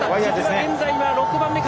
現在は６番目か。